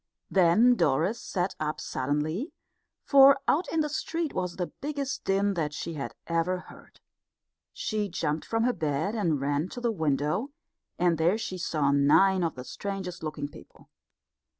Then Doris sat up suddenly, for out in the street was the biggest din that she had ever heard. She jumped from her bed and ran to the window, and there she saw nine of the strangest looking people.